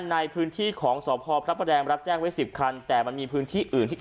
ในพื้นที่ของสอบพอร์พรับแปดแรง